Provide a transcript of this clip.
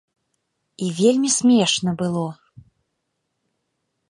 І вельмі смешна было!